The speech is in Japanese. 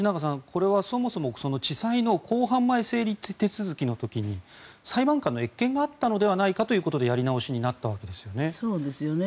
これはそもそも地裁の公判前整理手続きの時に裁判官の謁見があったのではないかということでやり直しになったわけですよね。